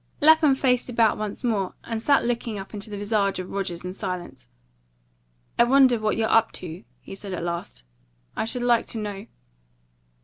Lapham faced about once more, and sat looking up into the visage of Rogers in silence. "I wonder what you're up to," he said at last; "I should like to know."